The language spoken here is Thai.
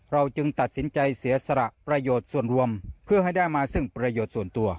จึงตัดสินใจเสียสละประโยชน์ส่วนรวมเพื่อให้ได้มาซึ่งประโยชน์ส่วนตัว